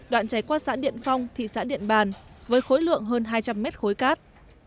đoạn chảy qua xã điện phong thị xã điện bàn với khối lượng hơn hai trăm linh mét khối cát